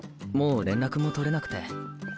もう連絡も取れなくて。